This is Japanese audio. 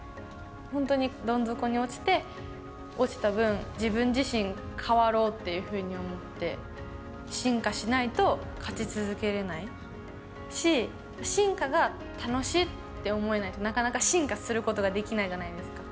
本当にどん底に落ちて、落ちた分、自分自身変わろうっていうふうに思って、進化しないと、勝ち続けれないし、進化が楽しいって思えないと、なかなか進化することができないじゃないですか。